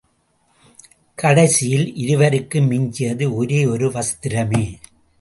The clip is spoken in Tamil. கடைசியில் இருவருக்கும் மிஞ்சியது ஒரே ஒரு வஸ்திரமே.